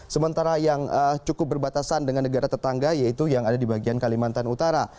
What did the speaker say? sementara yang cukup berbatasan dengan negara tetangga yaitu yang ada di bagian kalimantan utara